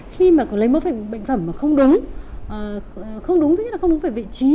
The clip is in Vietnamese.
khi mà lấy mẫu bệnh phẩm mà không đúng không đúng thứ nhất là không đúng về vị trí